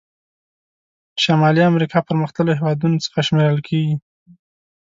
شمالي امریکا پرمختللو هېوادونو څخه شمیرل کیږي.